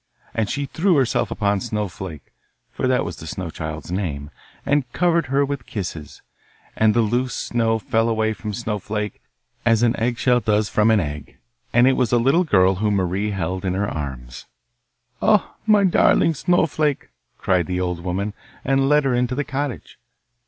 And she threw herself upon Snowflake (for that was the snow child's name) and covered her with kisses. And the loose snow fell away from Snowflake as an egg shell does from an egg, and it was a little girl whom Marie held in her arms. 'Oh! my darling Snowflake!' cried the old woman, and led her into the cottage.